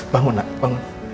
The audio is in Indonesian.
bangun nak bangun